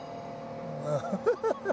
ハハハハ！